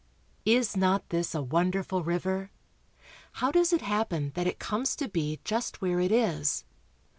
Is not this a wonderful river? How does it happen that it comes to be just where it is?